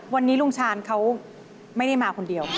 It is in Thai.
วันนี้ลุงชาญเขาไม่ได้มาคนเดียว